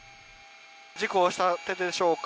事故したてでしょうか。